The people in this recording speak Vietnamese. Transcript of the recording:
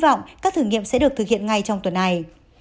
hy vọng các thử nghiệm sẽ được thực hiện ngay trong tuần này